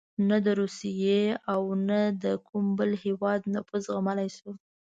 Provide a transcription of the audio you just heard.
نه د روسیې او نه د کوم بل هېواد نفوذ زغملای شو.